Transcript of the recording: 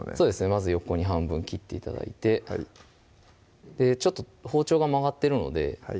まず横に半分切って頂いてちょっと包丁が曲がってるのでは